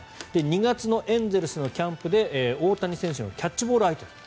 ２月のエンゼルスのキャンプで大谷選手のキャッチボール相手だった。